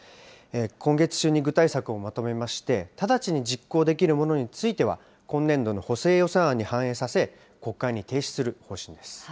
今月中に具体策をまとめまして、直ちに実行できるものについては、今年度の補正予算案に反映させ、国会に提出する方針です。